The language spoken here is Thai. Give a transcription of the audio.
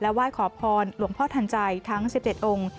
ไหว้ขอพรหลวงพ่อทันใจทั้ง๑๗องค์